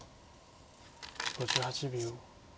５８秒。